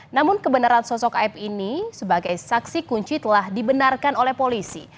namun kebenaran sosok aib ini sebagai saksi kunci telah dibenarkan oleh polisi